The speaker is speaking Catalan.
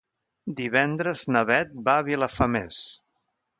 Divendres na Beth va a Vilafamés.